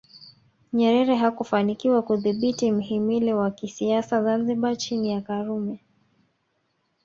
Nyerere hakufanikiwa kudhibiti mhimili wa kisiasa Zanzibar chini ya Karume